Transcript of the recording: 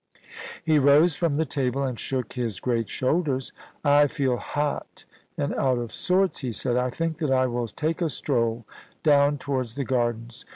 He rose from the table and shook his great shoulders. * I feel hot and out of sorts,' he said ;^ I think that I will take a stroll down towards the Gardens.